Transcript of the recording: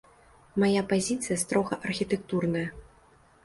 Мая пазіцыя строга архітэктурная.